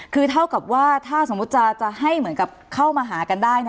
คือเท่ากับว่าถ้าสมมุติจะให้เหมือนกับเข้ามาหากันได้